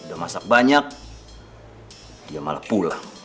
udah masak banyak dia malah pulang